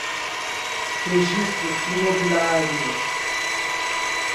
registro imobiliário